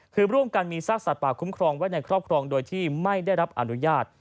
คือร่วมกันมีซากสัตว์ป่าคุ้มครองไว้ในครอบครองโดยที่ไม่ได้รับอนุญาต